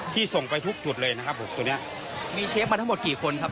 ส่งไปทุกจุดเลยนะครับผมตัวเนี้ยมีเชฟมาทั้งหมดกี่คนครับ